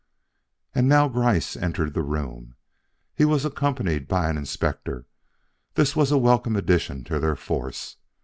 And now Gryce entered the room. He was accompanied by an inspector. This was a welcome addition to their force.